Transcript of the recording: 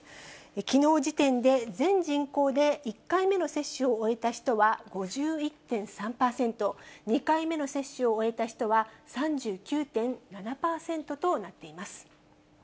きのう時点で、全人口で１回目の接種を終えた人は５１．３％、２回目の接種を終えた人は３９．７％となっています。